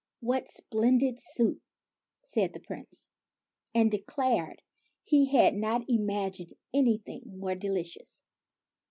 " What splendid soup !" said the Prince, and declared he could not imagine anything more delicious.